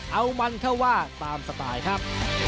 เอามันเข้าว่าตามสไตล์ครับ